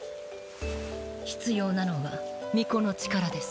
必要なのは巫女の力です。